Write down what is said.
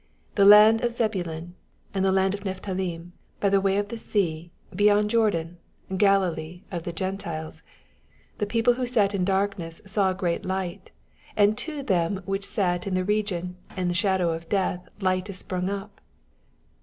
15 The land of Zabalon, and the land of Nephthalim by the way of the Bea, beyond Jordan, Galilee of the Gentiles ; IQ The people which sat in darkness saw great light ; and to them which sat in the region and shadow of death light is sprung up.